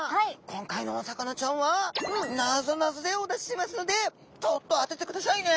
今回のお魚ちゃんはなぞなぞでお出ししますのでちょっと当ててくださいね。